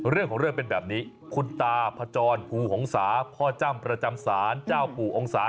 เรื่องของเรื่องเป็นแบบนี้คุณตาพจรภูหงษาพ่อจ้ำประจำศาลเจ้าปู่องศา